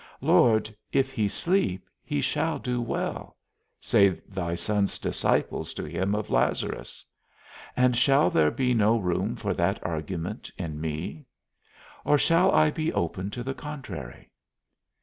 Lord, if he sleep, he shall do well, say thy Son's disciples to him of Lazarus; and shall there be no room for that argument in me? or shall I be open to the contrary?